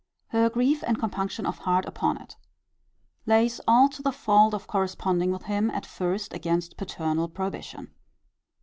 Her grief and compunction of heart upon it. Lays all to the fault of corresponding with him at first against paternal prohibition.